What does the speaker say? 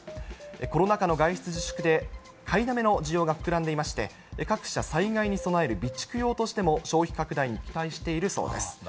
コロナ禍の外出自粛で買いだめの需要が膨らんでいまして、各社、災害に備える備蓄用としても消費拡大に期待しているそうです。